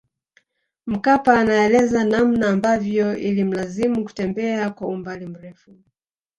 Mkapa anaeleza namna ambavyo ilimlazimu kutembea kwa umbali mrefu